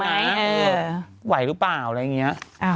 ก็ไปว่าหว่ายหรือเปล่าอะไรอย่างนี้